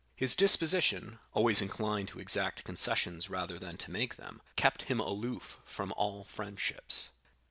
His disposition (always inclined to exact concessions rather than to make them) kept him aloof from all friendships.